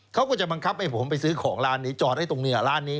เขาก็จะบังคับให้ผมไปซื้อของร้านนี้จอดไว้ตรงนี้ร้านนี้